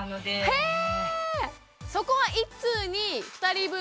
へえ。